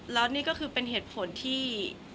แต่ขวัญไม่สามารถสวมเขาให้แม่ขวัญได้